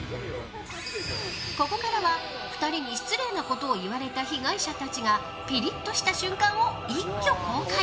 ここからは２人に失礼なことを言われた被害者たちがピリッとした瞬間を一挙公開。